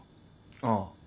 ああ。